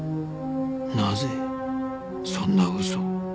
なぜそんな嘘を